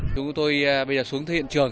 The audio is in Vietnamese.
chúng tôi bây giờ xuống hiện trường